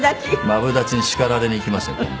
マブダチに叱られに行きますよ今度。